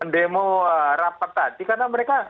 demo rapat tadi karena mereka